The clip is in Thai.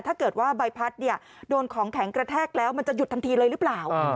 ถ้าเกิดว่าใบพัดโดนของแข็งกระแทกแล้วมันจะหยุดทันทีเลยหรือเปล่า